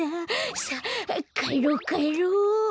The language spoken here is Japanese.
さあかえろかえろ。